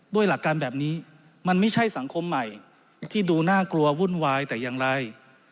ด้วยหลักการแบบนี้มันไม่ใช่สังคมใหม่ที่ดูน่ากลัววุ่นวายแต่อย่างไร